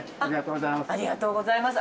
ありがとうございます。